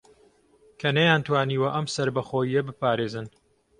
کە نەیانتوانیوە ئەم سەربەخۆیییە بپارێزن